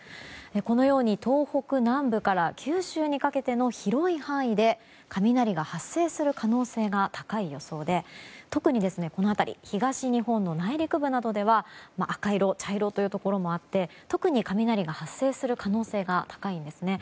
このように東北南部から九州にかけての広い範囲で雷が発生する可能性が高い予想で特に東日本の内陸部などでは赤色、茶色のところもあって特に雷が発生する可能性が高いんですね。